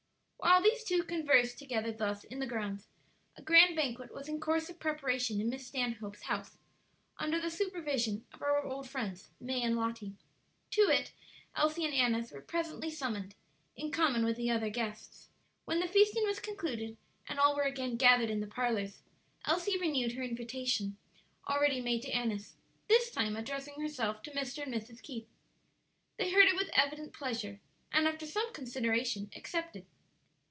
While these two conversed together thus in the grounds, a grand banquet was in course of preparation in Miss Stanhope's house, under the supervision of our old friends, May and Lottie. To it Elsie and Annis were presently summoned, in common with the other guests. When the feasting was concluded, and all were again gathered in the parlors, Elsie renewed her invitation already made to Annis, this time addressing herself to Mr. and Mrs. Keith. They heard it with evident pleasure, and after some consideration accepted.